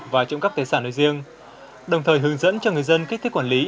và trộm cắp tài sản nơi riêng đồng thời hướng dẫn cho người dân kích thích quản lý